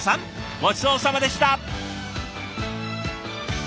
ごちそうさまでした。